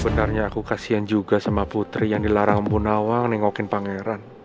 sebenarnya aku kasian juga sama putri yang dilarang munawang nengokin pangeran